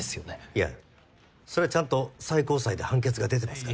いやそれはちゃんと最高裁で判決が出てますから。